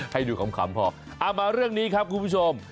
ให้ดูขำพอเอามาเรื่องนี้ครับคุณผู้ชม